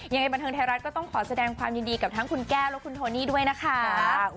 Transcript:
ยังไงบันเทิงไทยรัฐก็ต้องขอแสดงความยินดีกับทั้งคุณแก้วและคุณโทนี่ด้วยนะคะ